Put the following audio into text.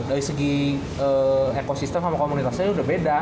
dari segi ekosistem sama komunitasnya udah beda